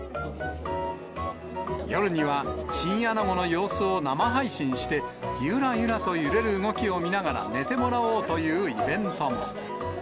夜には、チンアナゴの様子を生配信して、ゆらゆらと揺れる動きを見ながら寝てもらおうというイベントも。